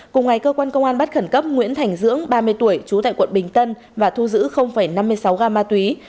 cùng ngày cơ quan công an bắt khẩn cấp nguyễn thành dưỡng ba mươi tuổi trú tại quận bình tân và thu giữ năm mươi sáu gam ma túy